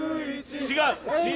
違う。